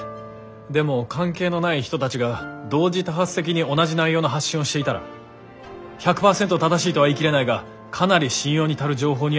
でも関係のない人たちが同時多発的に同じ内容の発信をしていたら１００％正しいとは言い切れないがかなり信用に足る情報にはなりうる。